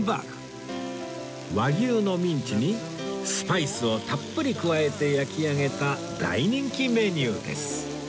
和牛のミンチにスパイスをたっぷり加えて焼き上げた大人気メニューです